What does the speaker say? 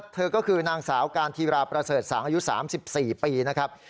เธอก็คือนางสาวการธีราประเสริฐสางอายุ๓๔ปีนะครับ